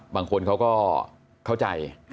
บางคนเขาก็เข้าใจ